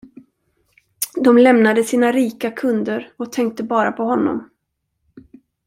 De lämnade sina rika kunder och tänkte bara på honom.